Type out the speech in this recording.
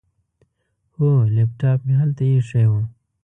هو، لیپټاپ مې هلته ایښی و.